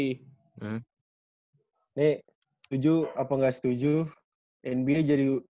nih setuju apa gak setuju nba jadi tujuan utama nba